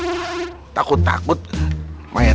takut takut mayatnya gak diterima bumi